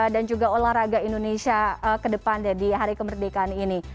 dan juga olahraga indonesia ke depannya di hari kemerdekaan ini